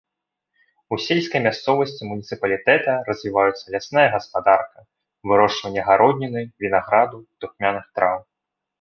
У сельскай мясцовасці муніцыпалітэта развіваюцца лясная гаспадарка, вырошчванне гародніны, вінаграду, духмяных траў.